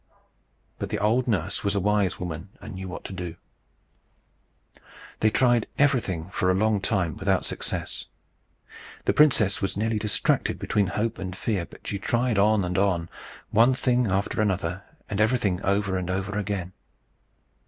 But the old nurse was a wise woman, and knew what to do. They tried everything for a long time without success. The princess was nearly distracted between hope and fear, but she tried on and on, one thing after another, and everything over and over again.